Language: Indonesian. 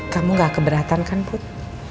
kamu gak keberatan kan put